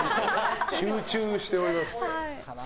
集中しております。